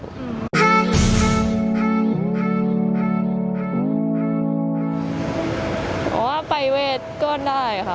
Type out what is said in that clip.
ผมว่าปริเวศก็ได้ค่ะ